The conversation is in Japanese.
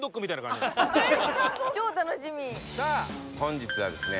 さあ本日はですね